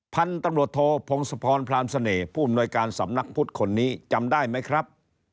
พันธุ์ตำรวจโทพงศพรพรานเสน่ห์ผู้อำนวยการสำนักพุทธคนนี้จำได้ไหมครับ